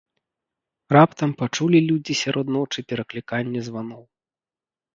Раптам пачулі людзі сярод ночы перакліканне званоў.